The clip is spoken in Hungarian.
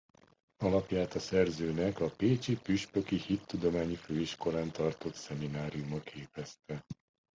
Alapját a szerzőnek a Pécsi Püspöki Hittudományi Főiskolán tartott szemináriuma képezte.